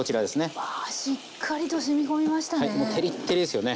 うわしっかりとしみ込みましたね。